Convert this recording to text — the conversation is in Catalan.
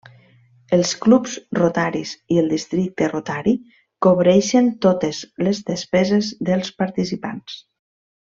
Els clubs rotaris i el districte rotari cobreixen totes les despeses dels participants.